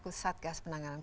kita ditemani sony hari harmadi